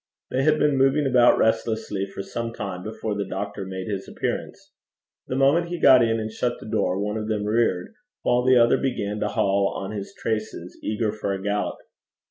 They had been moving about restlessly for some time before the doctor made his appearance. The moment he got in and shut the door, one of them reared, while the other began to haul on his traces, eager for a gallop.